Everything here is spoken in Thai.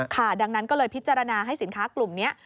ค่ะดังนั้นก็เลยพิจารณาให้สินค้ากลุ่มนี้